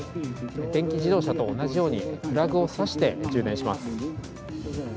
電気自動車と同じように、プラグを差して充電します。